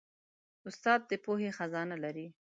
استاد د پوهې خزانه لري.